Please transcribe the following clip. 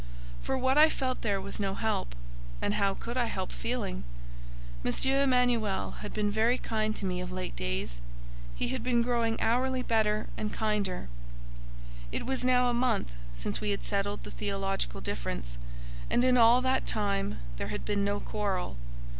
For what I felt there was no help, and how could I help feeling? M. Emanuel had been very kind to me of late days; he had been growing hourly better and kinder. It was now a month since we had settled the theological difference, and in all that time there had been no quarrel.